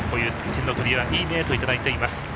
点の取り合いはいいねといただいています。